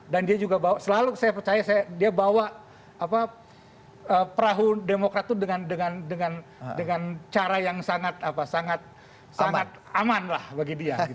dia juga bawa selalu saya percaya dia bawa perahu demokrat itu dengan cara yang sangat aman lah bagi dia